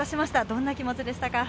どんな気持ちでしたか？